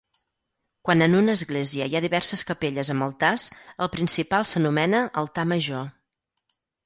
Quan en una església hi ha diverses capelles amb altars, el principal s'anomena altar major.